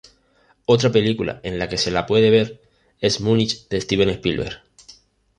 Otra película en la que se la puede ver es "Múnich", de Steven Spielberg.